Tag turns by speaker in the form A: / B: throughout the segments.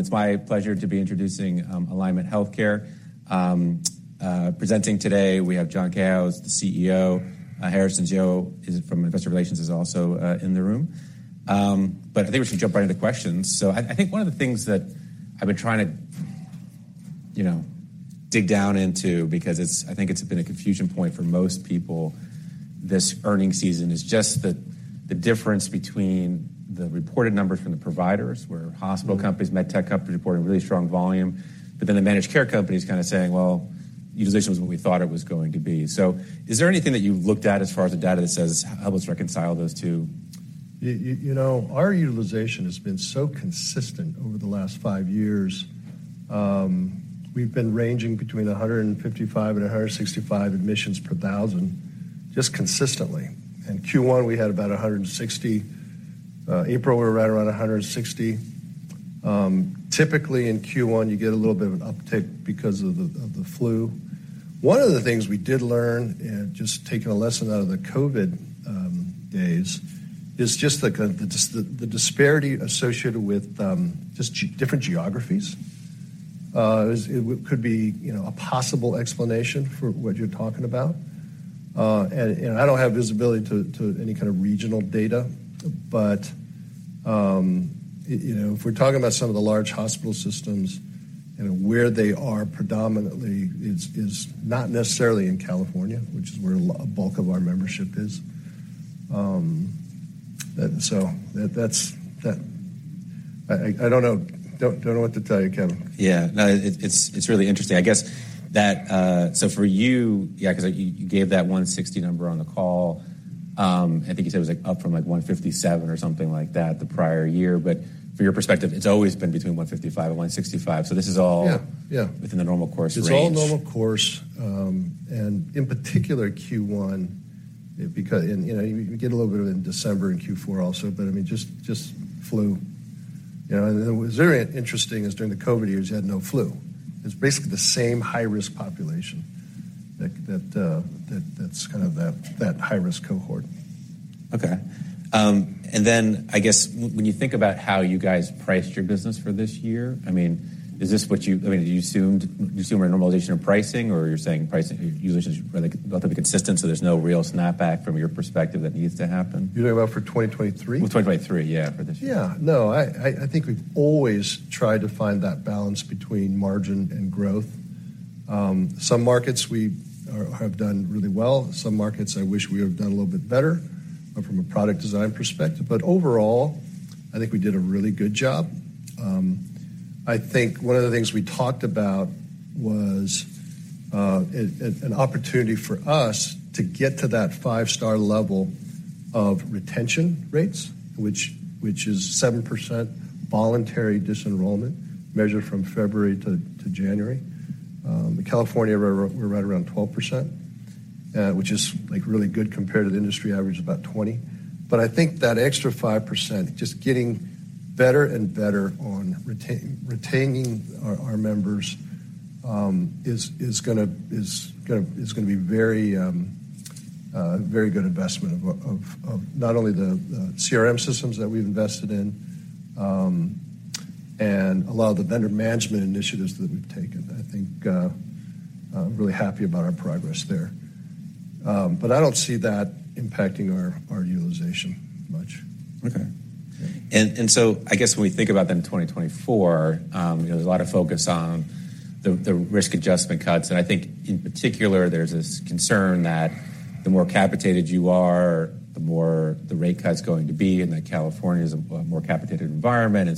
A: It's my pleasure to be introducing Alignment Healthcare. Presenting today, we have John Kao, the CEO. Harrison Zhuo is from Investor Relations is also in the room. I think we should jump right into questions. I think one of the things that I've been trying to, you know, dig down into, because I think it's been a confusion point for most people this earning season, is just the difference between the reported numbers from the providers, where hospital companies, med tech companies, reporting really strong volume. The managed care company is kind of saying, "Well, utilization wasn't what we thought it was going to be." Is there anything that you've looked at as far as the data that says, "How let's reconcile those two?
B: You know, our utilization has been so consistent over the last five years. We've been ranging between 155 and 165 admissions per 1,000, just consistently. In Q1, we had about 160. April, we were right around 160. Typically in Q1, you get a little bit of an uptick because of the flu. One of the things we did learn, just taking a lesson out of the COVID days, is just the disparity associated with different geographies. It could be, you know, a possible explanation for what you're talking about. You know, I don't have visibility to any kind of regional data. You know, if we're talking about some of the large hospital systems and where they are predominantly is not necessarily in California, which is where a bulk of our membership is. That's that I don't know. Don't know what to tell you, Kevin.
A: No, it's really interesting. I guess that, so for you, yeah, 'cause you gave that 160 number on the call. I think you said it was, like, up from, like, 157 or something like that the prior year. From your perspective, it's always been between 155 and 165. This is all-
B: Yeah, yeah....
A: within the normal course range.
B: It's all normal course. In particular Q1, you know, you get a little bit of it in December and Q4 also, but I mean, just flu. You know, what was very interesting is during the COVID years, you had no flu. It's basically the same high-risk population that's kind of that high-risk cohort.
A: I guess when you think about how you guys priced your business for this year, is this what you assumed, you assume a normalization of pricing, or you're saying pricing utilization is about to be consistent, so there's no real snapback from your perspective that needs to happen?
B: You're talking about for 2023?
A: Well, 2023, yeah. For this year.
B: Yeah. No, I think we've always tried to find that balance between margin and growth. Some markets we have done really well. Some markets I wish we would have done a little bit better from a product design perspective. Overall, I think we did a really good job. I think one of the things we talked about was an opportunity for us to get to that 5-star level of retention rates, which is 7% voluntary disenrollment measured from February to January. In California, we're right around 12%, which is, like, really good compared to the industry average of about 20. I think that extra 5%, just getting better and better on retaining our members, is gonna be very good investment of not only the CRM systems that we've invested in, and a lot of the vendor management initiatives that we've taken. I think, I'm really happy about our progress there. I don't see that impacting our utilization much.
A: Okay. I guess when we think about then 2024, you know, there's a lot of focus on the risk adjustment cuts. I think in particular, there's this concern that the more capitated you are, the more the rate cut's going to be, and that California is a more capitated environment,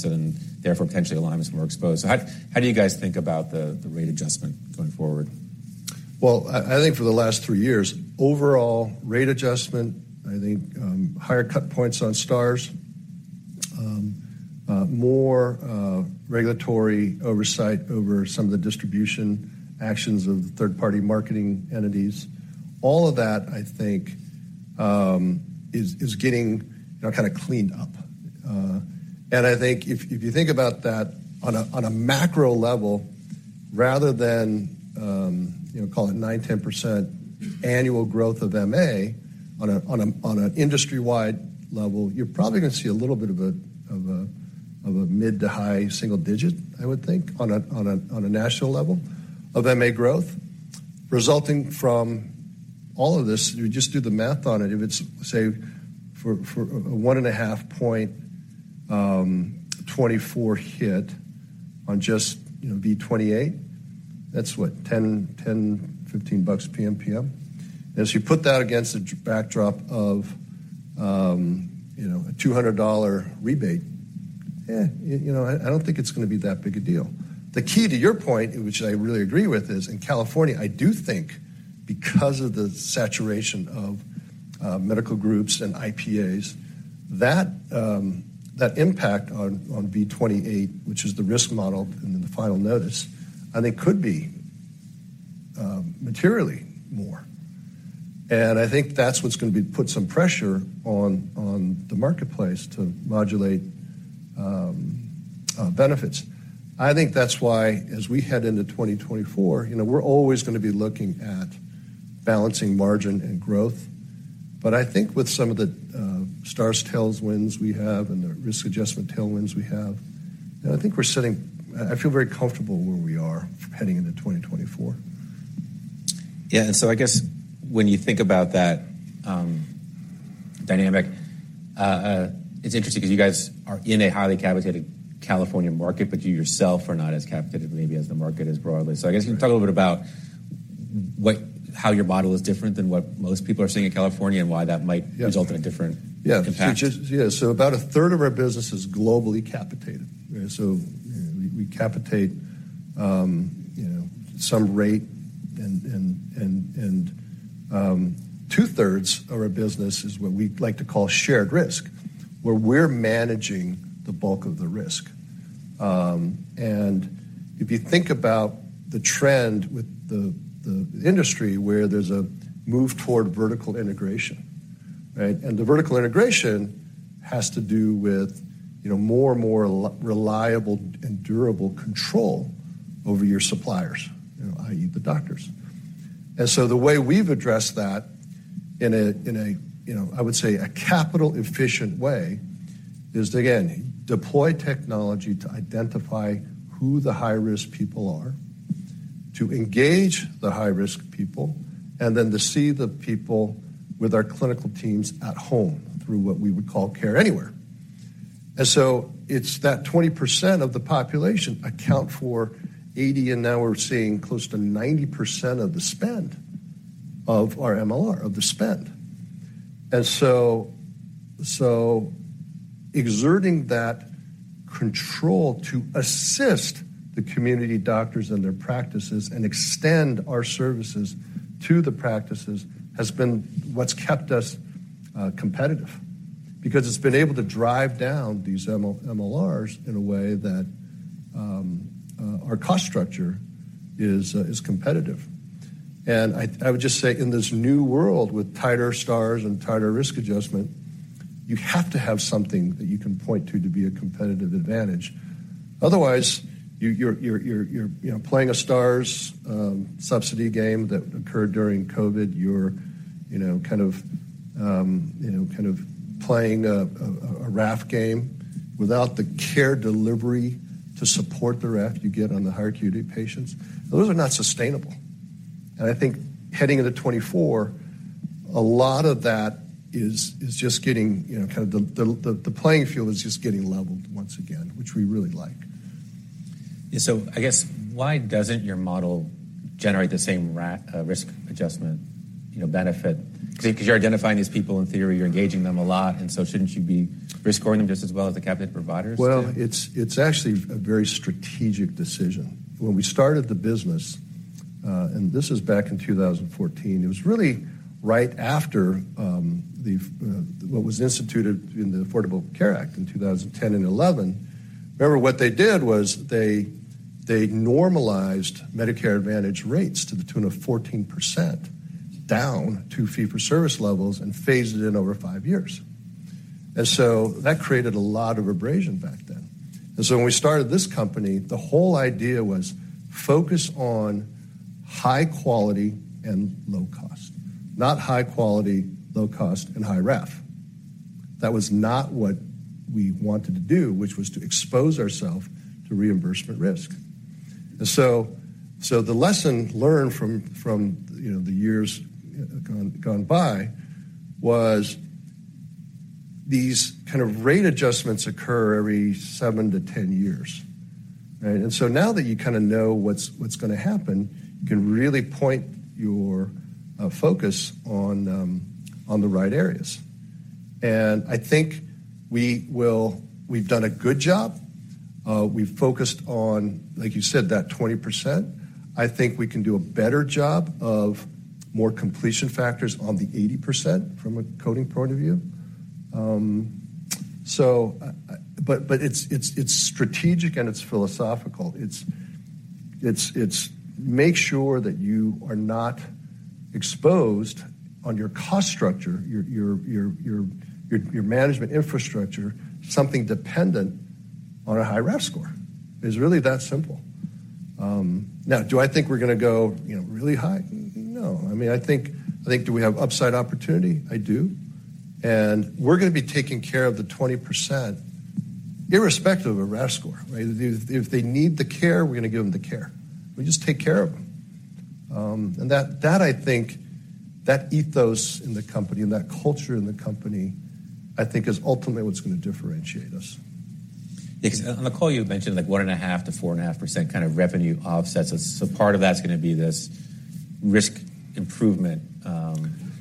A: potentially Alignment's more exposed. How do you guys think about the rate adjustment going forward?
B: Well, I think for the last three years, overall rate adjustment, I think, higher cut points on stars, more regulatory oversight over some of the distribution actions of third-party marketing entities. All of that, I think, is getting, you know, kinda cleaned up. I think if you think about that on a macro level, rather than, you know, call it 9%-10% annual growth of MA on an industry-wide level, you're probably gonna see a little bit of a mid to high single-digit, I would think, on a national level of MA growth. Resulting from all of this, you just do the math on it. If it's, say, for a 1.5 point, 24 hit on just, you know, V28, that's what? $10-$15 PMPM. As you put that against a backdrop of, you know, a $200 rebate, you know, I don't think it's gonna be that big a deal. The key to your point, which I really agree with, is in California, I do think because of the saturation of medical groups and IPAs, that impact on V28, which is the risk model in the final notice, I think could be materially more. I think that's what's gonna be put some pressure on the marketplace to modulate benefits. I think that's why as we head into 2024, you know, we're always gonna be looking at balancing margin and growth. I think with some of the stars tailwinds we have and the risk adjustment tailwinds we have, I feel very comfortable where we are heading into 2024.
A: Yeah. I guess when you think about that dynamic, it's interesting 'cause you guys are in a highly capitated California market, but you yourself are not as capitated maybe as the market is broadly. I guess you can talk a little bit about how your model is different than what most people are seeing in California and why that might result in a different...
B: Yeah.
A: -compact.
B: Just, yeah. About 1/3 of our business is globally capitated. We capitate, you know, some rate and 2/3 of our business is what we like to call shared risk, where we're managing the bulk of the risk. If you think about the trend with the industry, where there's a move toward vertical integration, right? The vertical integration has to do with, you know, more and more re-reliable and durable control over your suppliers, you know, i.e., the doctors. The way we've addressed that in a, you know, I would say a capital efficient way is, again, deploy technology to identify who the high-risk people are, to engage the high-risk people, and then to see the people with our clinical teams at home through what we would call Care Anywhere. It's that 20% of the population account for 80, and now we're seeing close to 90% of the spend of our MLR, of the spend. So exerting that control to assist the community doctors and their practices and extend our services to the practices has been what's kept us competitive because it's been able to drive down these MLRs in a way that our cost structure is competitive. I would just say, in this new world with tighter stars and tighter risk adjustment, you have to have something that you can point to to be a competitive advantage. Otherwise, you're, you know, playing a stars subsidy game that occurred during COVID, you're, you know, kind of, you know, kind of playing a RAF game without the care delivery to support the RAF you get on the higher QD patients. Those are not sustainable. I think heading into 2024, a lot of that is just getting, you know, kind of the playing field is just getting leveled once again, which we really like.
A: Yeah. I guess why doesn't your model generate the same RA, risk adjustment, you know, benefit? 'Cause you're identifying these people in theory, you're engaging them a lot, shouldn't you be risk scoring them just as well as the capitated providers?
B: Well, it's actually a very strategic decision. When we started the business, and this is back in 2014, it was really right after what was instituted in the Affordable Care Act in 2010 and 2011. Remember, what they did was they normalized Medicare Advantage rates to the tune of 14% down to fee-for-service levels and phased it in over five years. That created a lot of abrasion back then. When we started this company, the whole idea was focus on high quality and low cost, not high quality, low cost, and high RAF. That was not what we wanted to do, which was to expose ourself to reimbursement risk. The lesson learned from, you know, the years gone by was these kind of rate adjustments occur every 7-10 years, right? Now that you kinda know what's gonna happen, you can really point your focus on the right areas. I think we've done a good job. We've focused on, like you said, that 20%. I think we can do a better job of more completion factors on the 80% from a coding point of view. So it's strategic and it's philosophical. It's make sure that you are not exposed on your cost structure, your management infrastructure, something dependent on a high RAF score. It's really that simple. Now, do I think we're gonna go, you know, really high? No. I mean, I think do we have upside opportunity? I do. We're gonna be taking care of the 20% irrespective of a RAF score, right? If they need the care, we're gonna give them the care. We just take care of them. That I think, that ethos in the company and that culture in the company, I think is ultimately what's gonna differentiate us.
A: Yeah. 'Cause on the call you mentioned like 1.5%-4.5% kind of revenue offsets. Part of that's gonna be this risk improvement.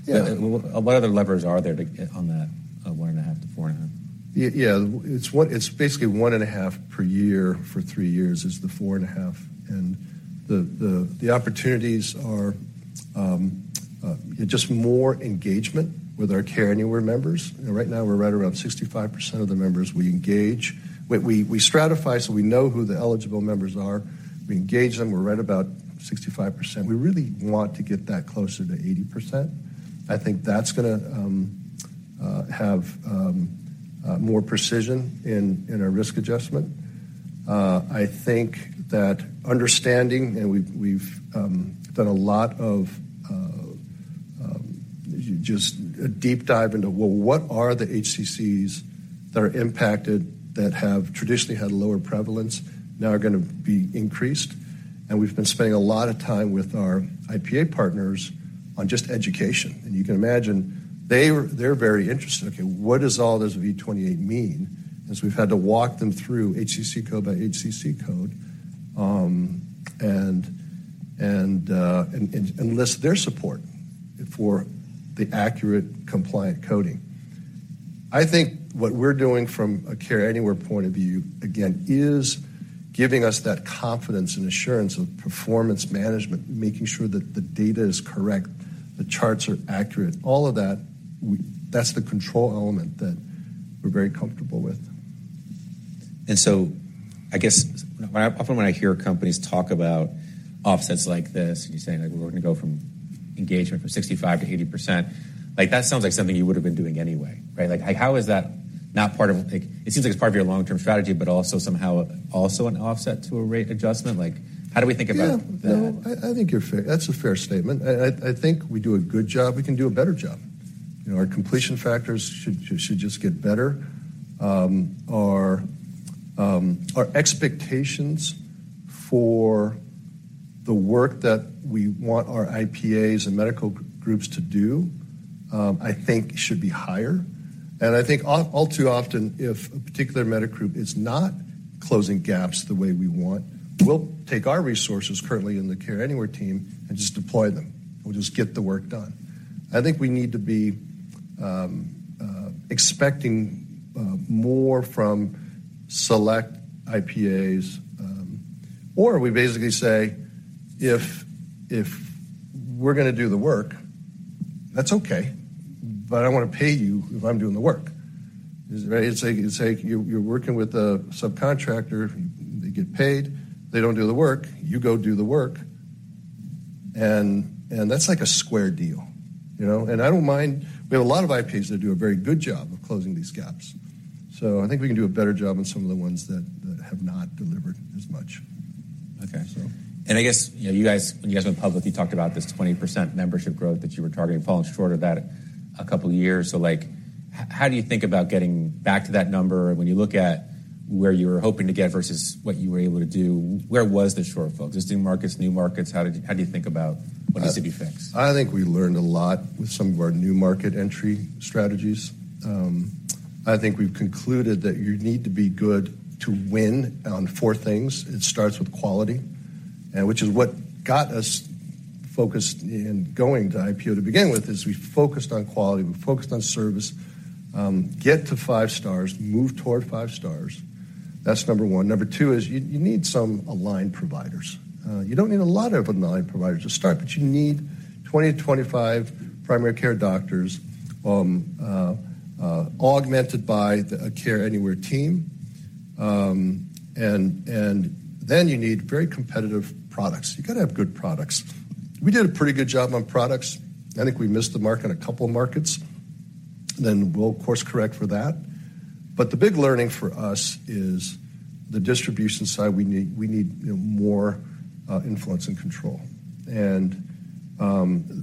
B: Yeah.
A: What other levers are there to on that, 1.5%-4.5%?
B: Yeah. It's basically 1.5% per year for three years is the 4.5%. The opportunities are just more engagement with our Care Anywhere members. Right now we're right around 65% of the members we engage. We stratify so we know who the eligible members are. We engage them. We're right about 65%. We really want to get that closer to 80%. I think that's gonna have more precision in our risk adjustment. I think that understanding, we've done a lot of just a deep dive into, well, what are the HCCs that are impacted that have traditionally had lower prevalence now are gonna be increased. We've been spending a lot of time with our IPA partners on just education. You can imagine they're very interested. Okay, what does all this V28 mean? As we've had to walk them through HCC code by HCC code, and list their support for the accurate compliant coding. I think what we're doing from a Care Anywhere point of view, again, is giving us that confidence and assurance of performance management, making sure that the data is correct, the charts are accurate, all of that. That's the control element that we're very comfortable with.
A: I guess often when I hear companies talk about offsets like this, and you're saying like, we're gonna go from engagement from 65% to 80%, like, that sounds like something you would have been doing anyway, right? Like, how is that not part of... Like, it seems like it's part of your long-term strategy, but also somehow also an offset to a rate adjustment. Like, how do we think about that?
B: Yeah. No, I think you're fair. That's a fair statement. I think we do a good job. We can do a better job. You know, our completion factors should just get better. Our expectations for the work that we want our IPAs and medical groups to do, I think should be higher. I think all too often, if a particular medical group is not closing gaps the way we want, we'll take our resources currently in the Care Anywhere team and just deploy them. We'll just get the work done. I think we need to be expecting more from select IPAs. We basically say, "If we're gonna do the work, that's okay, but I don't wanna pay you if I'm doing the work." Right? It's like you're working with a subcontractor. They get paid, they don't do the work. You go do the work, and that's like a square deal, you know. I don't mind. We have a lot of IPAs that do a very good job of closing these gaps, I think we can do a better job on some of the ones that have not delivered as much.
A: Okay.
B: So.
A: I guess, you know, you guys, when you guys went public, you talked about this 20% membership growth that you were targeting, falling short of that a couple of years. Like, how do you think about getting back to that number? When you look at where you were hoping to get versus what you were able to do, where was the shortfall? Just new markets? How do you think about what needs to be fixed?
B: I think we learned a lot with some of our new market entry strategies. I think we've concluded that you need to be good to win on four things. It starts with quality and which is what got us focused in going to IPO to begin with, is we focused on quality, we focused on service. Get to five stars, move toward five stars. That's number one. Number two is you need some aligned providers. You don't need a lot of aligned providers to start, but you need 20-25 primary care doctors, augmented by the Care Anywhere team. You need very competitive products. You gotta have good products. We did a pretty good job on products. I think we missed the mark on a couple markets, then we'll course-correct for that. The big learning for us is the distribution side. We need, you know, more influence and control.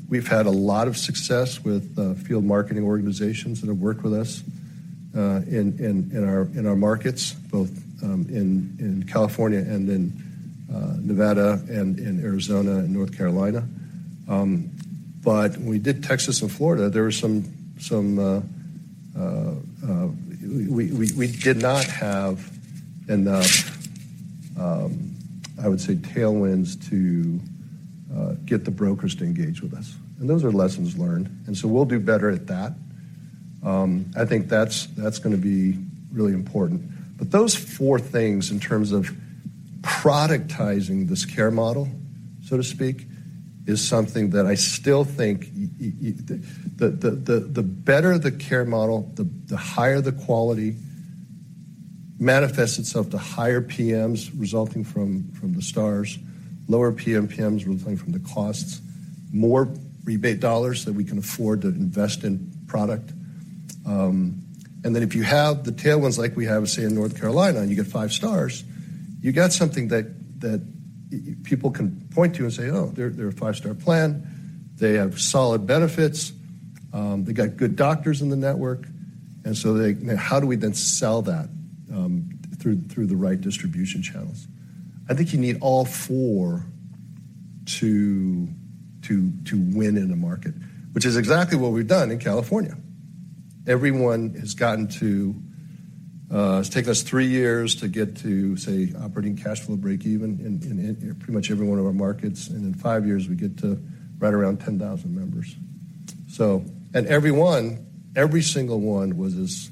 B: We've had a lot of success with field marketing organizations that have worked with us in our markets, both in California and in Nevada and in Arizona and North Carolina. When we did Texas and Florida, we did not have enough, I would say, tailwinds to get the brokers to engage with us. Those are lessons learned, we'll do better at that. I think that's gonna be really important. Those four things, in terms of productizing this care model, so to speak, is something that I still think. The better the care model, the higher the quality manifests itself to higher PMs resulting from the stars, lower PMPMs resulting from the costs, more rebate dollars that we can afford to invest in product. If you have the tailwinds like we have, say, in North Carolina, and you get five stars, you got something that people can point to and say, "Oh, they're a five-star plan. They have solid benefits. They got good doctors in the network." How do we then sell that through the right distribution channels? I think you need all four to win in a market, which is exactly what we've done in California. Everyone has gotten to, it's taken us three years to get to, say, operating cash flow breakeven in pretty much every one of our markets. In five years, we get to right around 10,000 members. Every one, every single one was as,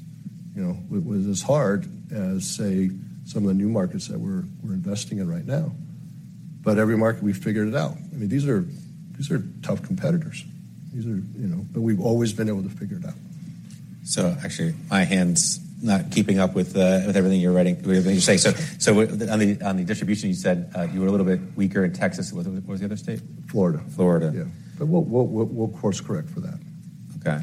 B: you know, was as hard as, say, some of the new markets that we're investing in right now. Every market, we've figured it out. I mean, these are, these are tough competitors. These are, you know... We've always been able to figure it out.
A: Actually, my hand's not keeping up with everything you're saying. On the distribution, you said you were a little bit weaker in Texas. What was the other state?
B: Florida.
A: Florida.
B: Yeah. We'll course-correct for that.
A: Okay.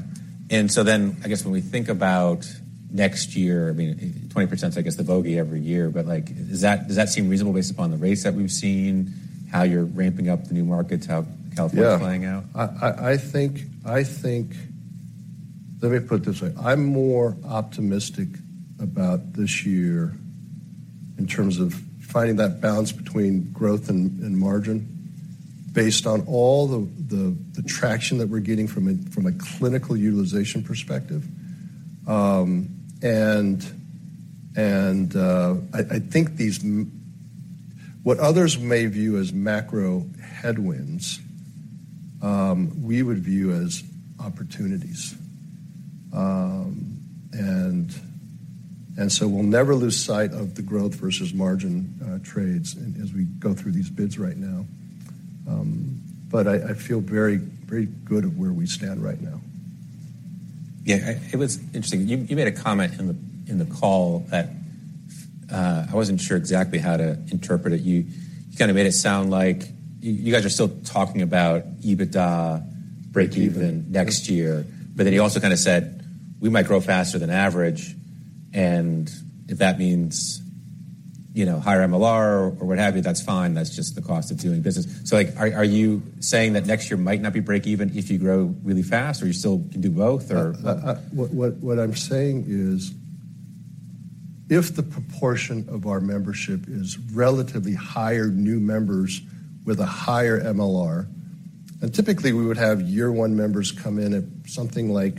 A: I guess when we think about next year, I mean, 20% is I guess the bogey every year, but like, is that, does that seem reasonable based upon the rates that we've seen, how you're ramping up the new markets, how is-
B: Yeah.
A: California is playing out?
B: I think, let me put it this way. I'm more optimistic about this year in terms of finding that balance between growth and margin based on all the traction that we're getting from a clinical utilization perspective. I think these what others may view as macro headwinds, we would view as opportunities. We'll never lose sight of the growth versus margin trades as we go through these bids right now. I feel very good of where we stand right now.
A: It was interesting. You made a comment in the, in the call that, I wasn't sure exactly how to interpret it. You kinda made it sound like you guys are still talking about EBITDA breakeven next year. You also kinda said, "We might grow faster than average, and if that means, you know, higher MLR or what have you, that's fine. That's just the cost of doing business." Like, are you saying that next year might not be breakeven if you grow really fast, or you still can do both? Or-
B: What I'm saying is, if the proportion of our membership is relatively higher new members with a higher MLR, and typically, we would have year one members come in at something like,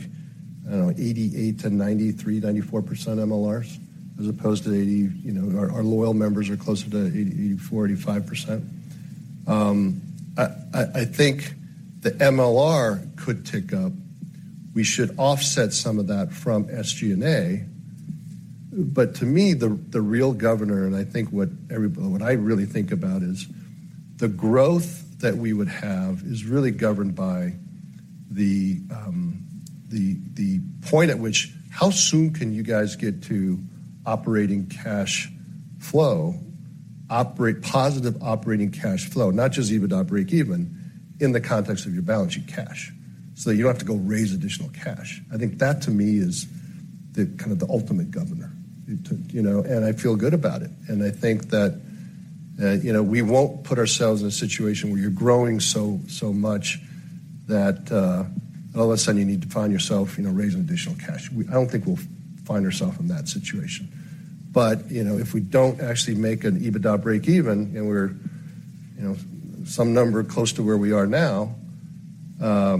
B: I don't know, 88%-93%, 94% MLRs, as opposed to you know, our loyal members are closer to 84%, 85%. I think the MLR could tick up. We should offset some of that from SG&A. To me, the real governor, and I think what I really think about is the growth that we would have is really governed by the point at which how soon can you guys get to operating cash flow, operate positive operating cash flow, not just EBITDA breakeven, in the context of your balance sheet cash, so that you don't have to go raise additional cash. I think that to me is the kind of the ultimate governor. You know, I feel good about it, and I think that, you know, we won't put ourselves in a situation where you're growing so much that all of a sudden you need to find yourself, you know, raising additional cash. We don't think we'll find ourself in that situation. You know, if we don't actually make an EBITDA breakeven, and we're, you know, some number close to where we are now, I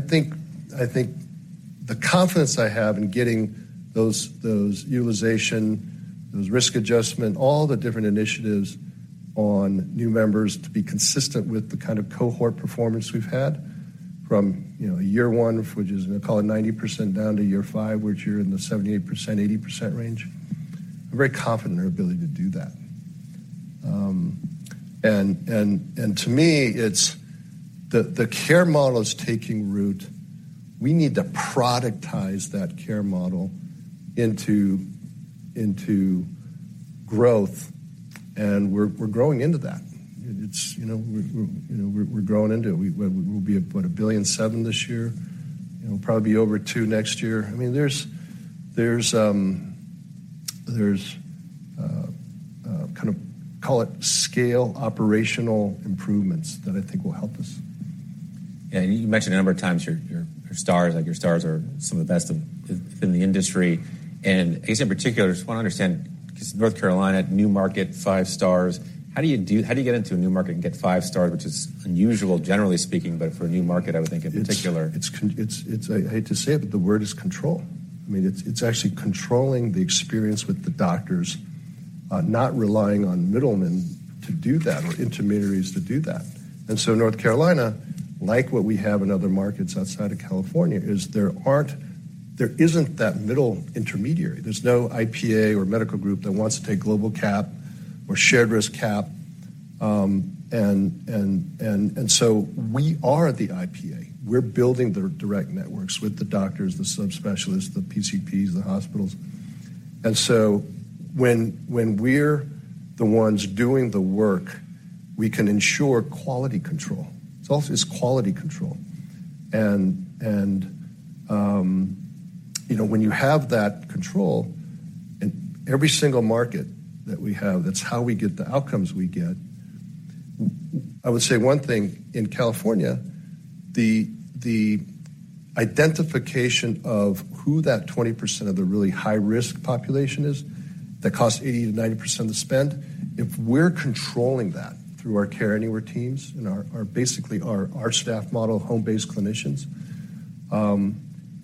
B: think the confidence I have in getting those utilization, those risk adjustment, all the different initiatives on new members to be consistent with the kind of cohort performance we've had from, you know, year one, which is, call it 90% down to year five, which you're in the 78%, 80% range. I'm very confident in our ability to do that. To me, it's the care model is taking root. We need to productize that care model into growth, and we're growing into that. It's, you know, we're growing into it. We, we'll be, what, $1.7 billion this year. You know, probably be over $2 billion next year. I mean, there's kind of, call it scale operational improvements that I think will help us.
A: Yeah. You mentioned a number of times your stars, like your stars are some of the best in the industry. I guess in particular, just wanna understand, 'cause North Carolina, new market, five stars. How do you get into a new market and get five stars, which is unusual, generally speaking, but for a new market, I would think in particular?
B: It's, I hate to say it, but the word is control. I mean, it's actually controlling the experience with the doctors, not relying on middlemen to do that or intermediaries to do that. North Carolina, like what we have in other markets outside of California, there isn't that middle intermediary. There's no IPA or medical group that wants to take global cap or shared risk cap. We are the IPA. We're building the direct networks with the doctors, the subspecialists, the PCPs, the hospitals. When we're the ones doing the work, we can ensure quality control. It's also is quality control. You know, when you have that control in every single market that we have, that's how we get the outcomes we get. I would say one thing in California, the identification of who that 20% of the really high-risk population is that costs 80%-90% of spend, if we're controlling that through our Care Anywhere teams and our basically our staff model, home-based clinicians,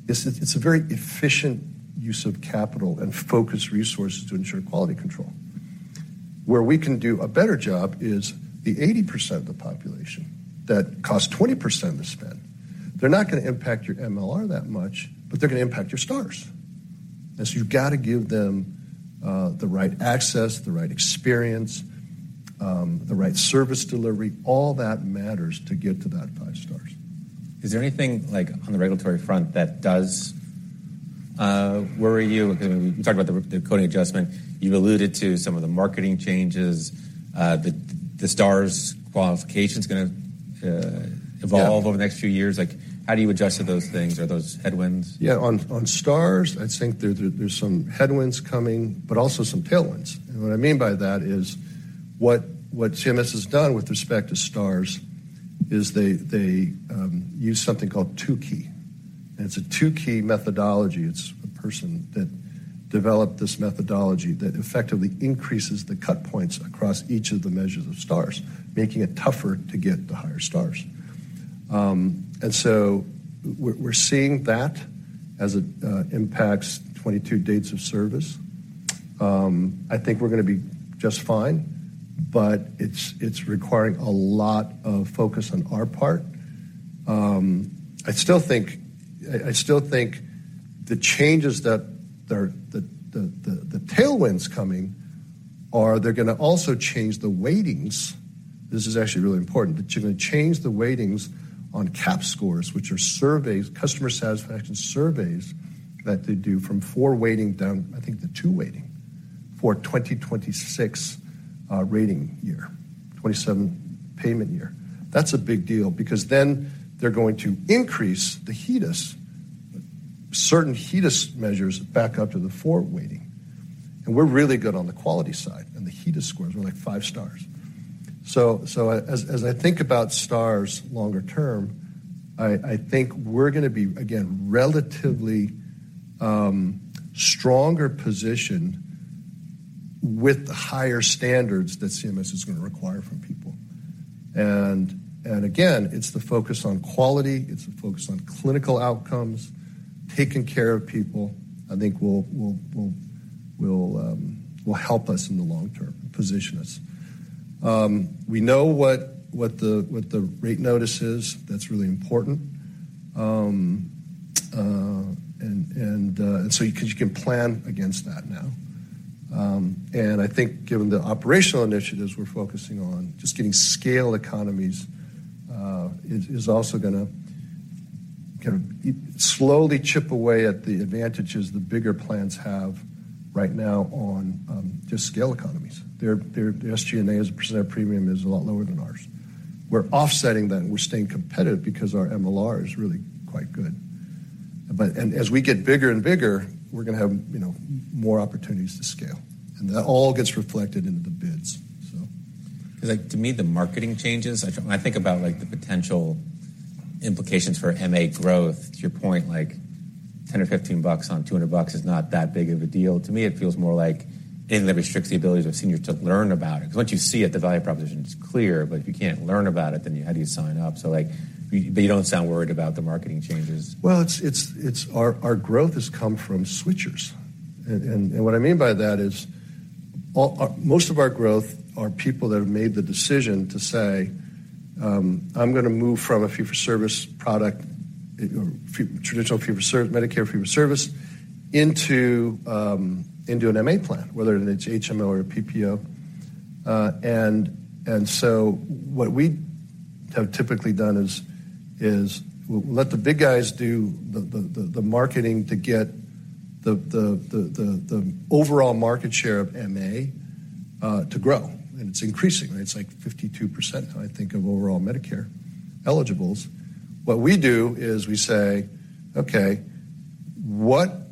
B: it's a very efficient use of capital and focused resources to ensure quality control. Where we can do a better job is the 80% of the population that costs 20% of the spend. They're not gonna impact your MLR that much, but they're gonna impact your stars. You've got to give them the right access, the right experience, the right service delivery. All that matters to get to that five stars.
A: We talked about the coding adjustment. You've alluded to some of the marketing changes, the stars qualification's gonna...
B: Yeah.
A: evolve over the next few years. Like, how do you adjust to those things or those headwinds?
B: On stars, I think there's some headwinds coming, but also some tailwinds. What I mean by that is what CMS has done with respect to stars is they use something called Tukey. It's a Tukey methodology. It's a person that developed this methodology that effectively increases the cut points across each of the measures of stars, making it tougher to get the higher stars. We're seeing that as it impacts 2022 dates of service. I think we're gonna be just fine, but it's requiring a lot of focus on our part. I still think the tailwinds coming are they're gonna also change the weightings. This is actually really important, that you're gonna change the weightings on CAHPS scores, which are surveys, customer satisfaction surveys that they do from four weighting down, I think, to two weighting for 2026, rating year, 2027 payment year. That's a big deal because then they're going to increase the HEDIS, certain HEDIS measures back up to the 4 weighting. We're really good on the quality side, and the HEDIS scores were like five stars. As I think about stars longer term, I think we're gonna be, again, relatively stronger positioned with the higher standards that CMS is gonna require from people. Again, it's the focus on quality, it's the focus on clinical outcomes, taking care of people, I think will help us in the long term, position us. We know what the rate notice is. That's really important. 'Cause you can plan against that now. I think given the operational initiatives we're focusing on, just getting scale economies, is also gonna kind of slowly chip away at the advantages the bigger plans have right now on just scale economies. Their SG&A as a percent of premium is a lot lower than ours. We're offsetting that and we're staying competitive because our MLR is really quite good. As we get bigger and bigger, we're gonna have, you know, more opportunities to scale, and that all gets reflected into the bids.
A: To me, the marketing changes, when I think about, like, the potential implications for MA growth, to your point, like $10 or $15 on $200 is not that big of a deal. To me, it feels more like anything that restricts the ability of seniors to learn about it. 'Cause once you see it, the value proposition is clear, but if you can't learn about it, then how do you sign up? But you don't sound worried about the marketing changes.
B: Well, it's our growth has come from switchers. What I mean by that is most of our growth are people that have made the decision to say, "I'm gonna move from a fee-for-service product, or traditional Medicare fee-for-service, into an MA plan, whether it's HMO or PPO. What we have typically done is we'll let the big guys do the marketing to get the overall market share of MA to grow, and it's increasing. It's like 52%, I think, of overall Medicare eligibles. What we do is we say, "Okay, what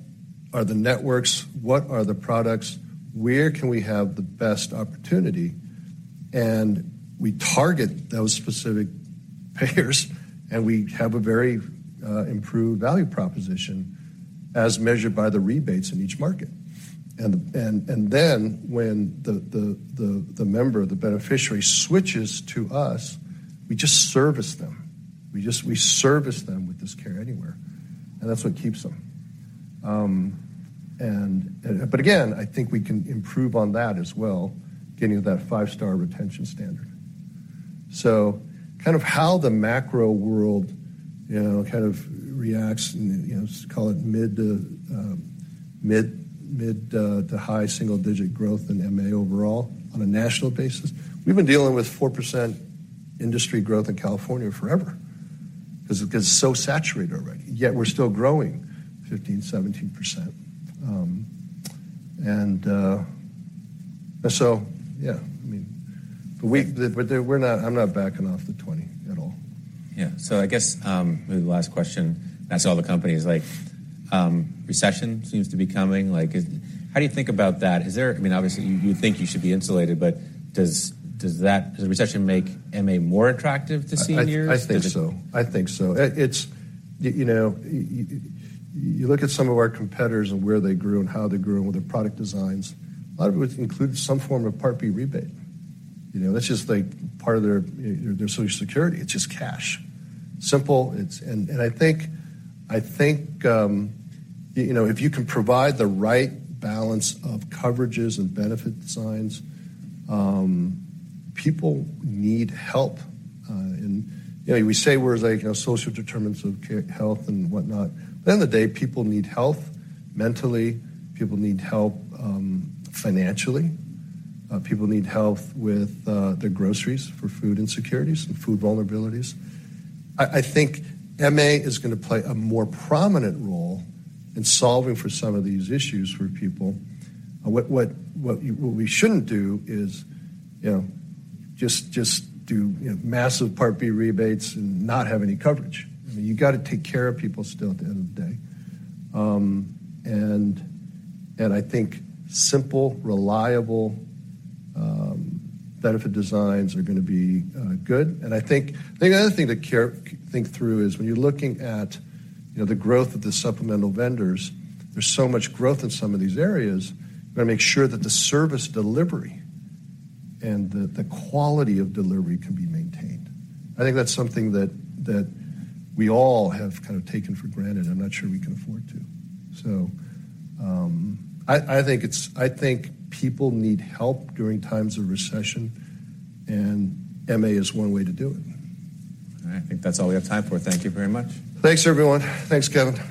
B: are the networks? What are the products? Where can we have the best opportunity?" We target those specific payers, and we have a very improved value proposition as measured by the rebates in each market. When the member, the beneficiary switches to us, we just service them. We service them with this Care Anywhere, and that's what keeps them. Again, I think we can improve on that as well, getting to that five-star retention standard. Kind of how the macro world, you know, kind of reacts, you know, call it mid to high single digit growth in MA overall on a national basis. We've been dealing with 4% industry growth in California forever 'cause it gets so saturated already, yet we're still growing 15%, 17%. Yeah, I mean, I'm not backing off the 20 at all.
A: Yeah. I guess, maybe the last question I ask all the companies, like, recession seems to be coming. Like, how do you think about that? I mean, obviously you think you should be insulated, but does the recession make MA more attractive to seniors?
B: I think so. I think so. It's, you know, you look at some of our competitors and where they grew and how they grew and with their product designs, a lot of it would include some form of Part B rebate. You know, that's just like part of their Social Security. It's just cash. Simple. I think, you know, if you can provide the right balance of coverages and benefit designs, people need help. You know, we say we're like a social determinants of health and whatnot. The end of the day, people need health mentally, people need help financially, people need help with their groceries for food insecurities and food vulnerabilities. I think MA is gonna play a more prominent role in solving for some of these issues for people. What we shouldn't do is, you know, just do, you know, massive Part B rebates and not have any coverage. I mean, you gotta take care of people still at the end of the day. I think simple, reliable, benefit designs are gonna be good. I think the other thing to think through is when you're looking at, you know, the growth of the supplemental vendors, there's so much growth in some of these areas. We gotta make sure that the service delivery and the quality of delivery can be maintained. I think that's something that we all have kind of taken for granted, I'm not sure we can afford to. I think people need help during times of recession, MA is one way to do it.
A: All right. I think that's all we have time for. Thank you very much.
B: Thanks, everyone. Thanks, Kevin.